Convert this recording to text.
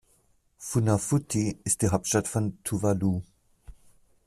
Funafuti ist die Hauptstadt von Tuvalu.